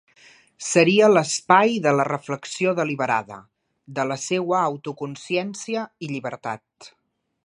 Seria l'espai de la reflexió deliberada, de la seua autoconsciència i llibertat.